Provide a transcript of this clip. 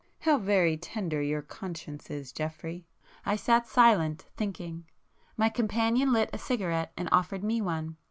How very tender your conscience is, Geoffrey!" I sat silent, thinking. My companion lit a cigarette and offered me one.